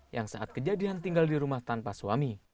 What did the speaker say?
yang saat kejadian tinggal di rumah tanpa suami